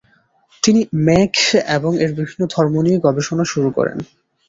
তিনি মেঘ এবং এর বিভিন্ন ধর্ম নিয়ে গবেষণা শুরু করেন।